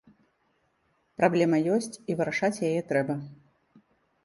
Праблема ёсць, і вырашаць яе трэба.